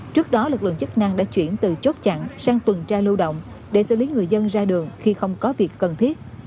trước đó lực lượng chức năng đã chuyển từ chốt chặn sang tuần tra lưu động để xử lý người dân ra đường khi không có việc cần thiết